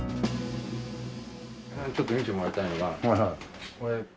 ちょっと見てもらいたいのがこれ。